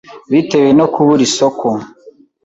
bitewe no kubura isoko